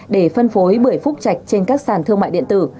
để phân phối bưởi phúc trạch trên các sàn thương mại điện tử